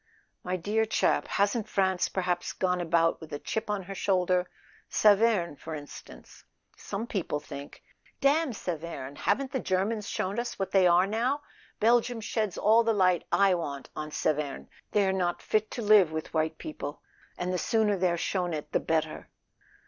"My dear chap, hasn't [ 91 ] A SON AT THE FRONT France perhaps gone about with a chip on her shoulder ? Saverne, for instance: some people think " "Damn Saverne! Haven't the Germans shown us what they are now ? Belgium sheds all the light I want on Saverne. They're not fit to live with white people, and the sooner they're shown it the better."